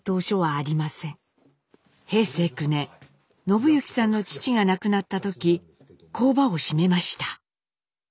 平成９年伸幸さんの父が亡くなった時工場を閉めました。